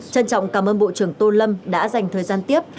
trân trọng cảm ơn bộ trưởng tô lâm đã dành thời gian tiếp